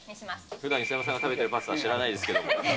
ふだん磯山さんが食べてるパスタ、知らないですけども。